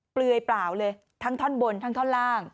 เปลือยเปล่าเลยทั้งท่อนบนทั้งท่อนล่าง